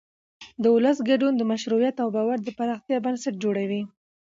د ولس ګډون د مشروعیت او باور د پراختیا بنسټ جوړوي